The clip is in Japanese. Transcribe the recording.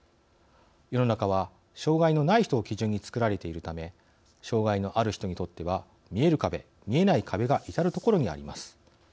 世の中は障害のない人を基準に作られているため障害のある人にとっては見える壁・見えない壁が至る所にあります。